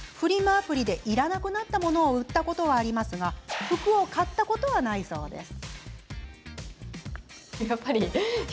アプリでいらなくなったものを売ったことはありますが服を買ったことはないそうです。